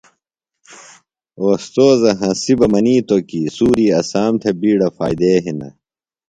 اوستوذہ ہنسیۡ بہ منِیتوۡ کی سُوریۡ اسام تھےۡ بِیڈہ فائدے ہِنہ۔